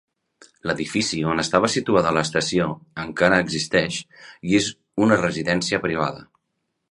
L'edifici on estava situada l'estació encara existeix i és una residència privada.